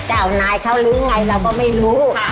จะเอานายเขาหรือยังไงเราก็ไม่รู้